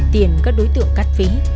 tiền các đối tượng cắt phí